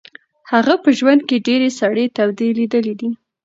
هغه په خپل ژوند کې ډېرې سړې تودې لیدلې دي.